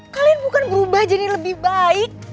kalian bukan berubah jadi lebih baik